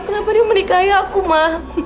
kenapa dia menikahi aku mah